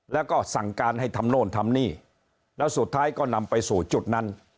แล้วก็สั่งการให้ทำโน่นทำนี่แล้วสุดท้ายก็นำไปสู่จุดนั้น